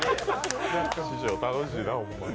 師匠楽しいな、ほんまに。